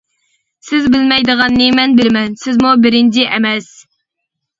سىز بىلمەيدىغاننى مەن بىلىمەن، سىزمۇ بىرىنچى ئەمەس.